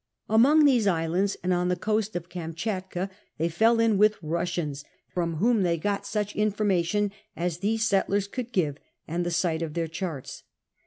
Among these islands and on the coast of Kamschatka they fell in with Ilussians, from whom they got such information as these settlei's could give and the sight of their charts.